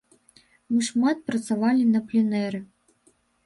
Мы шмат працавалі на пленэры.